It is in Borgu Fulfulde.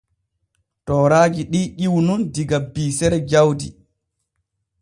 Tooraaji ɗi ƴiwu nun diga biisere jawdi.